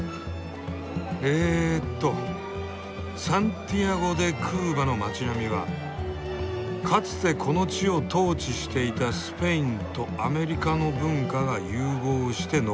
えっとサンティアゴ・デ・クーバの街並みはかつてこの地を統治していたスペインとアメリカの文化が融合して残されているか。